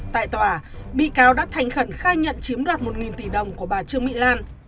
tại tòa bị cáo đã thành khẩn khai nhận chiếm đoạt một tỷ đồng của bà trương mỹ lan